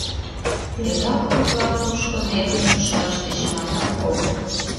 Тегак тудлан тушко нерым шӱшкаш тӧчыманат огыл.